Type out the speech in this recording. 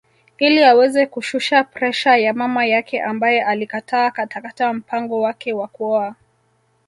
Ili aweze kushusha presha ya mama yake ambaye alikataa katakata mpango wake wa kuoa